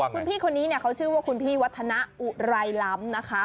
คุณพี่คนนี้เขาชื่อว่าคุณพี่วัฒนะอุไรล้ำนะคะ